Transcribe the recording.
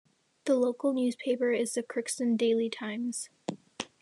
The local newspaper is the "Crookston Daily Times".